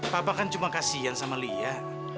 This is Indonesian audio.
papa kan cuma kasian sama lia